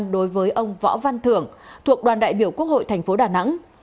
đối với ông võ văn thưởng thuộc đoàn đại biểu quốc hội thành phố đà nẵng